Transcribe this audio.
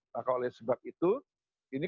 maka oleh sebab itu ini